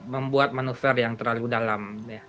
membuat manuver yang terlalu dalam